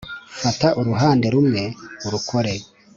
Fata uruhande rumwe urukore